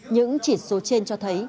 những chỉ số trên cho biết là